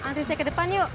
antrisnya ke depan yuk